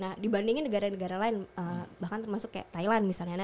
nah dibandingin negara negara lain bahkan termasuk kayak thailand misalnya